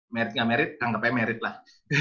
merit gak merit anggap aja merit lah